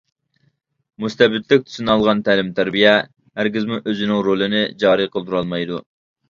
مۇستەبىتلىك تۈسىنى ئالغان تەلىم-تەربىيە ھەرگىزمۇ ئۆزىنىڭ رولىنى جارى قىلدۇرالمايدۇ.